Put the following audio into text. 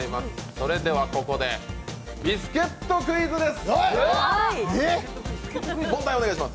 それではここで、ビスケットクイズです！